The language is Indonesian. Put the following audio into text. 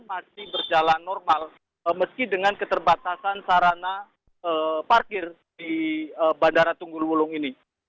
masih berjalan normal meski dengan keterbatasan sarana parkir di bandara tunggul wulung ini